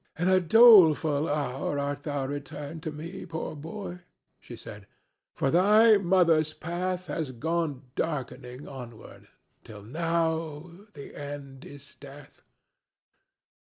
"In a doleful hour art thou returned to me, poor boy," she said, "for thy mother's path has gone darkening onward, till now the end is death.